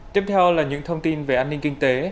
tiếp theo là những thông tin về an ninh kinh tế